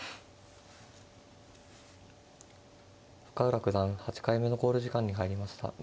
深浦九段８回目の考慮時間に入りました。